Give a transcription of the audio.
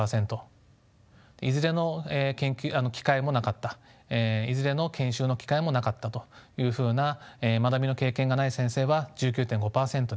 いずれの機会もなかったいずれの研修の機会もなかったというふうな学びの経験がない先生は１９．５％でした。